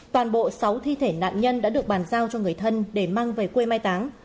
toàn bộ sáu thi thể nạn nhân đã được bàn giao cho người thân để mang về quê mai táng